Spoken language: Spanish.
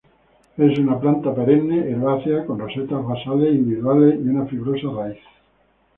Es una planta perenne herbácea, con rosetas basales individuales y una fibrosa raíz.